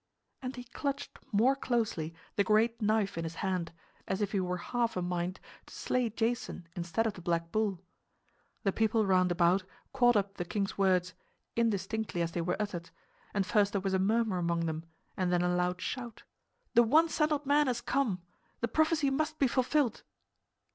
And he clutched more closely the great knife in his hand, as if he were half a mind to slay Jason instead of the black bull. The people round about caught up the king's words, indistinctly as they were uttered; and first there was a murmur among them and then a loud shout. "The one sandaled man has come! The prophecy must be fulfilled!"